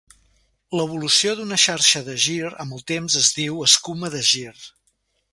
L'evolució d'una xarxa de gir amb el temps es diu escuma de gir.